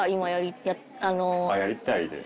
あっやりたいです。